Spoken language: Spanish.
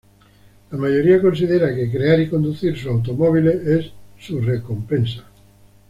La mayoría considera que crear y conducir sus automóviles es su recompensa.